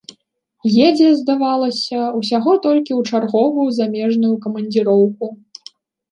Едзе, здавалася, усяго толькі ў чарговую замежную камандзіроўку.